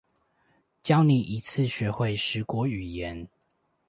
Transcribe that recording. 教你一次學會十國語言